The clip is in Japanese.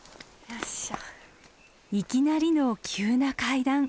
いきなりの急な階段。